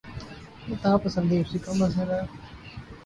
انتہاپسندی اسی کا مظہر ہے۔